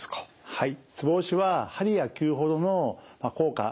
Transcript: はい。